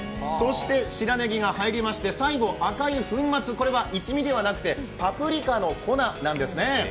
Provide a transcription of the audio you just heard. そして白ネギが入りまして最後赤いものこれは一味ではなくてパプリカの粉なんですね。